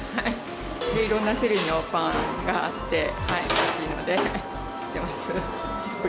いろんな種類のパンがあっておいしいので来てます。